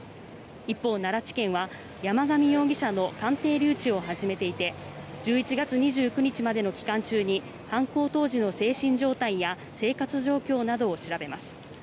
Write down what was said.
一方、奈良地検は山上容疑者の鑑定留置を始めていて１１月２９日までの期間中に犯行当時の精神状態や生活状況などを調べます。